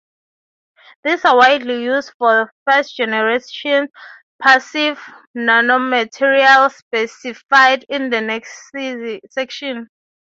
These are widely used for "first generation" passive nanomaterials specified in the next section.